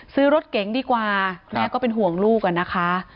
ซื้อรถเก๋งดีกว่าแม่ก็เป็นห่วงลูกอะนะคะ